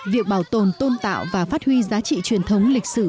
việc bảo tồn tôn tạo và phát huy giá trị truyền thống lịch sử